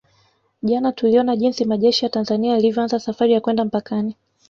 Jana tuliona jinsi majeshi ya Tanzania yalivyoanza safari ya kwenda mpakani